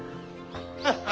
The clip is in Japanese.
ハハハ。